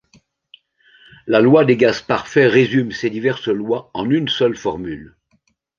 La loi des gaz parfaits résume ces diverses lois en une seule formule.